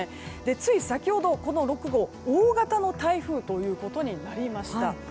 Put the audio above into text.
つい先ほど、この６号大型の台風となりました。